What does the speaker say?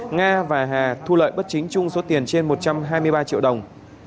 nga và hà thu lợi bất chính chung số tiền trên một trăm hai mươi ba triệu đồng